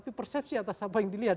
tapi persepsi atas apa yang dilihat